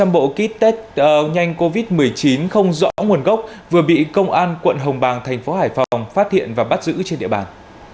một mươi bộ kit test nhanh covid một mươi chín không rõ nguồn gốc vừa bị công an quận hồng bàng thành phố hải phòng phát hiện và bắt giữ trên địa bàn